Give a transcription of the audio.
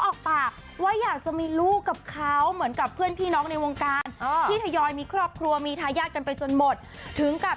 ออกปากว่าอยากจะมีลูกกับเขาเหมือนกับเพื่อนพี่น้องในวงการที่ทยอยมีครอบครัวมีทายาทกันไปจนหมดถึงกับ